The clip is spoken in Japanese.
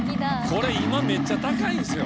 これ今めっちゃ高いんですよ。